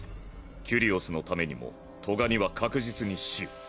キュリオスのためにもトガには確実に死を。